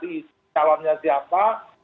di calonnya siapa